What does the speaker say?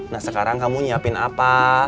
nah sekarang kamu nyiapin apa